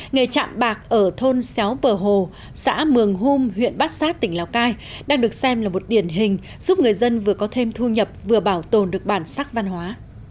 nghề chạm bạc ở thôn xéo bờ hồ xã mường hung huyện bát sát tỉnh lào cai đang được xem là một điển hình giúp người dân vừa có thêm thu nhập vừa bảo tồn được bản sắc văn hóa